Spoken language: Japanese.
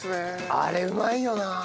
あれうまいよな。